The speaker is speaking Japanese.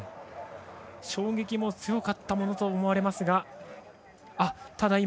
衝撃も強かったものと思われますが。